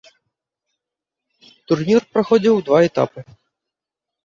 Турнір праходзіў у два этапы.